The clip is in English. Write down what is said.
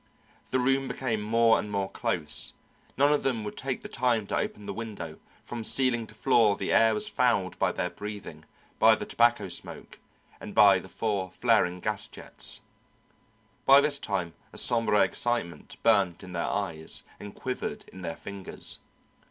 The room became more and more close, none of them would take the time to open the window, from ceiling to floor the air was fouled by their breathing, by the tobacco smoke and by the four flaring gas jets. By this time a sombre excitement burnt in their eyes and quivered in their fingers.